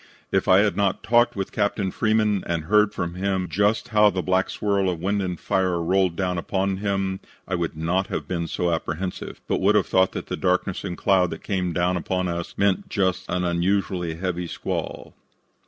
If I had not talked with Captain Freeman and heard from him just how the black swirl of wind and fire rolled down upon him, I would not have been so apprehensive, but would have thought that the darkness and cloud that came down upon us meant just an unusually heavy squall."